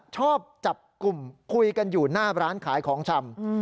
ชอบจับกลุ่มคุยกันอยู่หน้าร้านขายของชำ